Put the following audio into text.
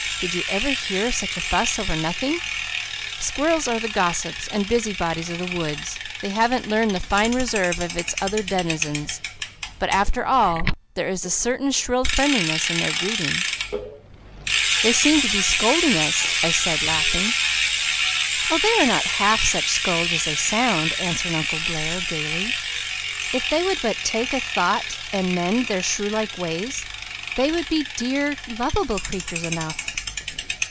Did you ever hear such a fuss over nothing? Squirrels are the gossips and busybodies of the woods; they haven't learned the fine reserve of its other denizens. But after all, there is a certain shrill friendliness in their greeting." "They seem to be scolding us," I said, laughing. "Oh, they are not half such scolds as they sound," answered Uncle Blair gaily. "If they would but 'tak a thought and mend' their shrew like ways they would be dear, lovable creatures enough."